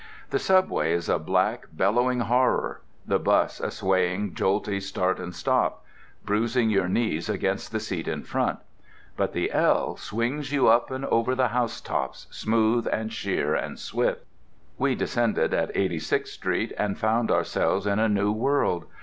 The Subway is a black, bellowing horror; the bus a swaying, jolty start and stop, bruising your knees against the seat in front; but the L swings you up and over the housetops, smooth and sheer and swift. We descended at 86th Street and found ourselves in a new world.